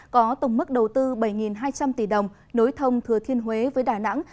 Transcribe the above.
có tổng mức đầu tư bảy hai trăm linh tỷ đồng nối thông thừa thiên huế với đà nẵng